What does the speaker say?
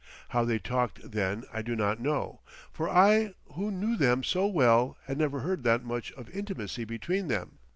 How they talked then I do not know, for I who knew them so well had never heard that much of intimacy between them.